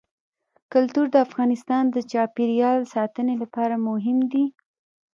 کلتور د افغانستان د چاپیریال ساتنې لپاره مهم دي.